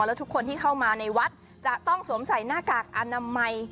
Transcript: แล้วทุกคนที่เข้ามาในวัดจะต้องสวมใส่หน้ากากอนามัย